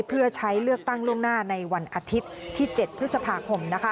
เพื่อใช้เลือกตั้งล่วงหน้าในวันอาทิตย์ที่๗พฤษภาคมนะคะ